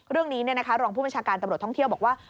เรื่องนี้รองผู้บัญชาการตำรวจท่องเที่ยวบอกว่า